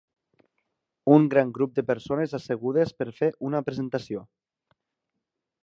Un gran grup de persones assegudes per fer una presentació.